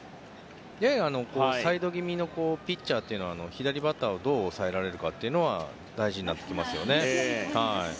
ややサイド気味のピッチャーというのは左バッターをどう抑えられるかが大事になってきますよね。